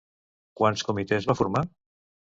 Quants comitès va formar?